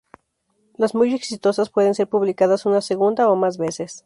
Las muy exitosas pueden ser publicadas una segunda o más veces.